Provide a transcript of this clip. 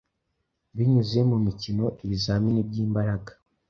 binyuze mumikinoibizamini byimbaraga